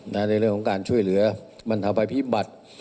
ในเรื่องของการช่วยเหลือบรรทภัยพิบัติ